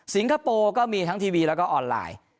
คโปร์ก็มีทั้งทีวีแล้วก็ออนไลน์